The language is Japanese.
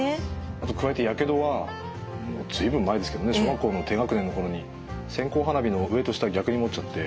あと加えてやけどは随分前ですけどね小学校の低学年の頃に線香花火の上と下逆に持っちゃって。